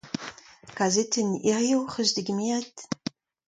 Kazetenn hiziv 'c'h eus degemeret ?